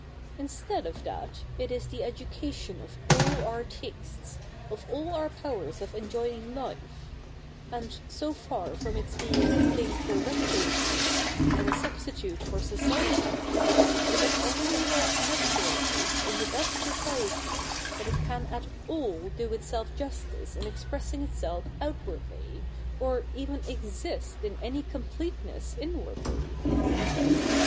Instead of that, it is the education of all our tastes, of all our powers of enjoying Hfe ; and, so far from its being a thing for recluses, and a substitute for society, it is only when naturalised in the best society that it can at all do itself justice in expressing itself out wardly, or even exist in any completeness inwardly.'